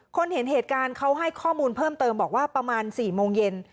เห็นเหตุการณ์เขาให้ข้อมูลเพิ่มเติมบอกว่าประมาณ๔โมงเย็น